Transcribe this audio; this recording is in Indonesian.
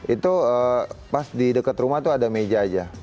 itu pas di dekat rumah tuh ada meja aja